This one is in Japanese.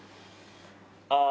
ああ。